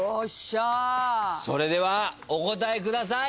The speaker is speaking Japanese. それではお答えください！